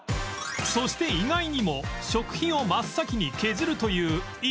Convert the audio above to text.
そして意外にも食費を真っ先に削るという伊集院は